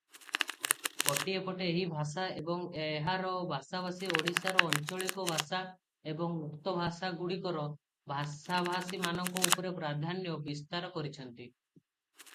ଗୋଟିଏ ପଟେ ଏହି ଭାଷା ଏବଂ ଏହାର ଭାଷାଭାଷୀ ଓଡ଼ିଶାରେ ଆଞ୍ଚଳିକ ଭାଷା ଏବଂ ଉକ୍ତ ଭାଷାଗୁଡ଼ିକର ଭାଷାଭାଷୀମାନଙ୍କ ଉପରେ ପ୍ରାଧାନ୍ୟ ବିସ୍ତାର କରିଛନ୍ତି ।